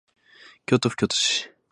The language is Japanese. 京都府京都市